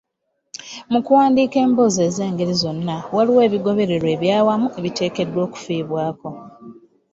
Mu kuwandiika emboozi ez’engeri zonna, waliwo ebigobererwa eby’awamu ebiteekeddwa okufiibwako.